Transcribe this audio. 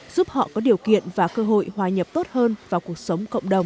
giúp họ có điều kiện và cơ hội hòa nhập tốt hơn vào cuộc sống cộng đồng